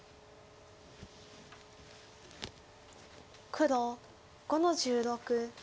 黒５の十六。